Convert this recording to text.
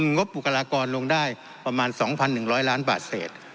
งบบุคลากรลงได้ประมาณ๒๑๐๐ล้านบาทเศษ